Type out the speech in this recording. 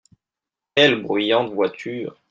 Quelles bruyantes voitures !